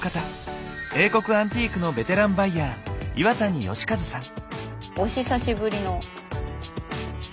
英国アンティークのベテランバイヤー岩谷好和さん。